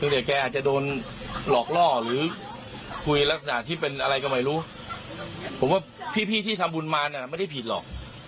แต่แกอาจจะโดนหลอกล่อหรือคุยลักษณะที่เป็นอะไรก็ไม่รู้ผมว่าพี่ที่ทำบุญมาน่ะไม่ได้ผิดหรอก